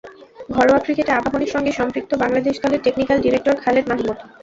ঘরোয়া ক্রিকেটে আবাহনীর সঙ্গে সম্পৃক্ত বাংলাদেশ দলের টেকনিক্যাল ডিরেক্টর খালেদ মাহমুদ।